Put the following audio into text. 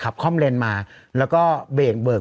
ค่อมเลนมาแล้วก็เบรกเบิก